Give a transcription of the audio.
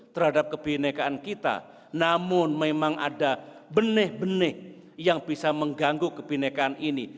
terhadap kebenekaan kita namun memang ada benih benih yang bisa mengganggu kebinekaan ini